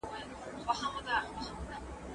تاسي بايد خپله ډوډې په ارامۍ وخورئ.